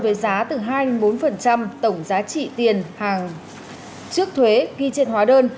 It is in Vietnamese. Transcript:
hóa đơn với giá từ hai bốn tổng giá trị tiền hàng trước thuế ghi trên hóa đơn